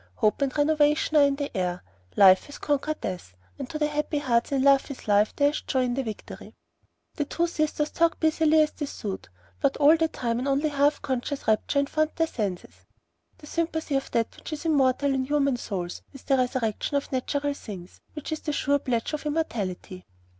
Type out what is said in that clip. Hope and renovation are in the air. Life has conquered Death, and to the happy hearts in love with life there is joy in the victory. The two sisters talked busily as they sewed, but all the time an only half conscious rapture informed their senses, the sympathy of that which is immortal in human souls with the resurrection of natural things, which is the sure pledge of immortality.